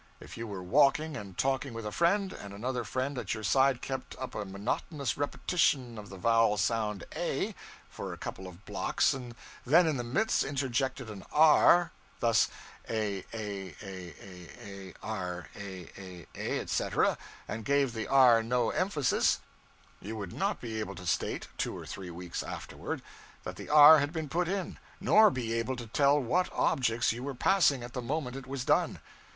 If you were walking and talking with a friend, and another friend at your side kept up a monotonous repetition of the vowel sound A, for a couple of blocks, and then in the midst interjected an R, thus, A, A, A, A, A, R, A, A, A, etc., and gave the R no emphasis, you would not be able to state, two or three weeks afterward, that the R had been put in, nor be able to tell what objects you were passing at the moment it was done.